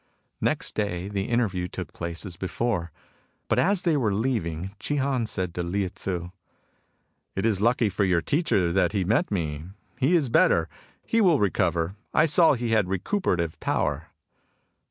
Next day the interview took place as before ; but as they were leaving Chi Han said to Lieh Tzu :" It is lucky for your teacher that he met me. He is better. He will recover. I saw he had recuperative power."